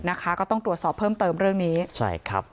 นะคะก็ต้องตรวจสอบเพิ่มเติมเรื่องนี้ใช่ครับ